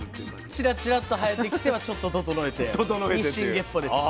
ちらちらっと生えてきてはちょっと整えて日進月歩です。